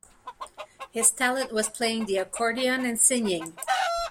His talent was playing the accordion and singing.